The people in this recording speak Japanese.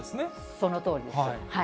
そのとおりです。